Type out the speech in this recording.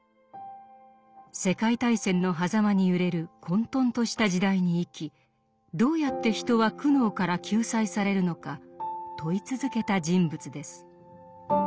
世界大戦の狭間に揺れる混沌とした時代に生きどうやって人は苦悩から救済されるのか問い続けた人物です。